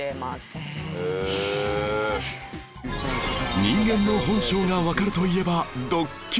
人間の本性がわかるといえばドッキリ